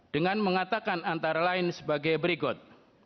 dengan mengatakan antara lain sebagai berikut